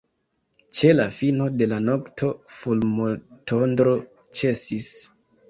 Ĉe la fino de la nokto fulmotondro ĉesis.